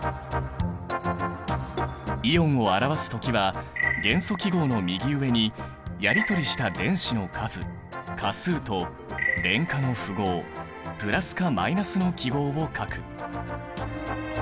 イオンを表す時は元素記号の右上にやりとりした電子の数価数と電荷の符号プラスかマイナスの記号を書く。